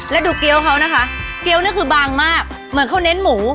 แล้วดูเกี้ยวเขานะคะเกี้ยวนี่คือบางมากเหมือนเขาเน้นหมู